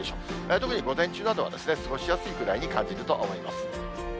特に午前中などは過ごしやすいぐらいに感じると思います。